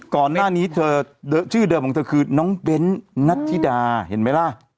ก่อนหน้านี้เธอชื่อเดิมของเธอคือน้องเบ้นนัทธิดาเห็นไหมล่ะ